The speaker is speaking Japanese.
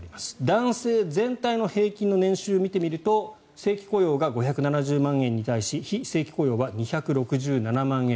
男性全体の平均の年収を見てみると正規雇用が５７０万円に対し非正規雇用は２６７万円。